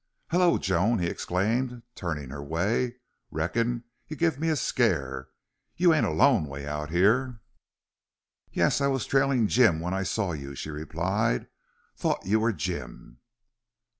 "Hello, Joan!" he exclaimed, turning her way. "Reckon you give me a scare. You ain't alone way out here?" "Yes. I was trailing Jim when I saw you," she replied. "Thought you were Jim."